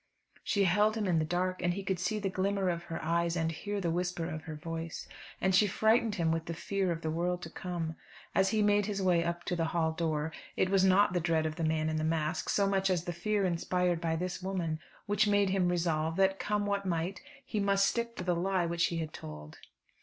She held him in the dark, and he could see the glimmer of her eyes, and hear the whisper of her voice, and she frightened him with the fear of the world to come. As he made his way up to the hall door, it was not the dread of the man in the mask, so much as the fear inspired by this woman which made him resolve that, come what come might, he must stick to the lie which he had told.